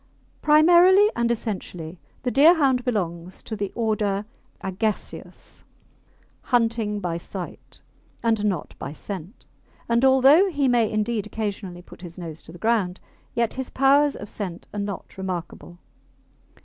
Primarily and essentially the Deerhound belongs to the order Agaseus, hunting by sight and not by scent, and although he may indeed occasionally put his nose to the ground, yet his powers of scent are not remarkable.